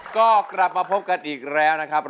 ก็กลับมาพบกันอีกแล้วนะครับ